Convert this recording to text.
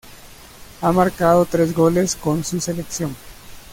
Ha marcado tres goles con su selección.